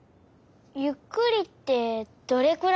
「ゆっくり」ってどれくらい？